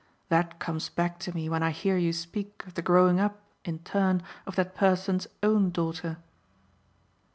That comes back to me when I hear you speak of the growing up, in turn, of that person's own daughter."